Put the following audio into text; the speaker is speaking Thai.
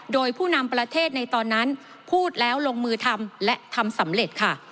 โดยผู้นำประเทศในตอนนั้นพูดแล้วลงมือทำและทำสำเร็จค่ะ